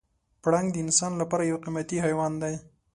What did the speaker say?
پړانګ د انسان لپاره یو قیمتي حیوان دی.